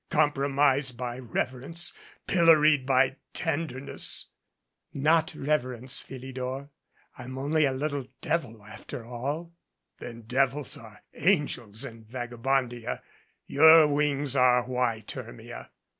Compromised by reverence, pilloried by tender ness " "Not reverence, Philidor. I'm only a little devil, after all." 343 MADCAP "Then devils are angels in Vagabondia. Your wings are white, Hermia."